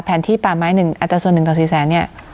แผนที่ป่าไม้หนึ่งอัตราส่วนหนึ่งต่อสี่แสนเนี่ย